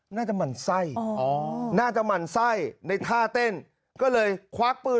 หมั่นไส้อ๋อน่าจะหมั่นไส้ในท่าเต้นก็เลยควักปืน